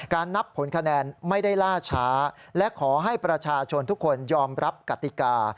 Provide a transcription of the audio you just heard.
นับผลคะแนนไม่ได้ล่าช้าและขอให้ประชาชนทุกคนยอมรับกติกา